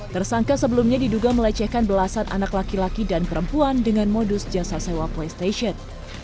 tersangka sebelumnya diduga melecehkan belasan anak laki laki dan perempuan dengan modus jasa sewa playstation